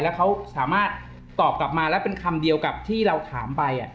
แล้วเขาสามารถตอบกลับมาแล้วเป็นคำเดียวกับที่เราถามไป